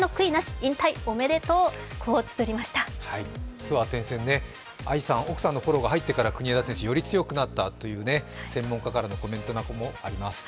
ツアー転戦、愛さん、奥さんのフォローが入ってからより強くなったという専門家からのコメントもあります。